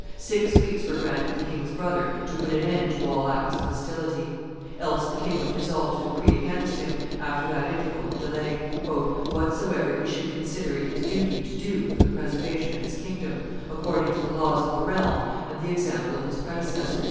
Six weeks were granted the king's brother to put an end to all acts of hostility; else the king was resolved to decree against him, after that interval of delay, "whatsoever he should consider it his duty to do for the preservation of his kingdom, according to the laws of the realm and the example of his predecessors."